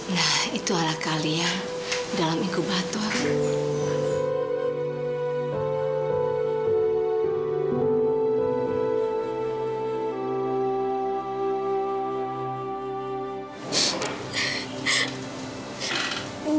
nah itu ala kalia dalam ikut batu aku